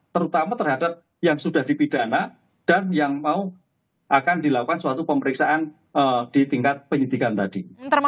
terutama terhadap yang sudah dipidana dan yang mau akan dilakukan suatu pemeriksaan di tingkat penyidikan tadi